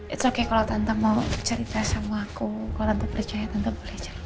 tidak apa kalau tante mau cerita sama aku kalau tante percaya tante boleh cerita